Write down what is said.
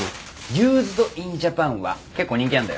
ユーズド・イン・ジャパンは結構人気あるんだよ